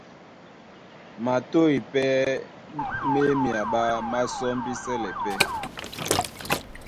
Matôy pɛ́ má e myaɓá, má sɔ́mbísɛlɛ pɛ́.